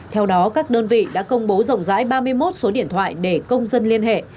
theo đó các đơn vị đã công bố rộng rãi ba mươi một số điện thoại để công dân liên hệ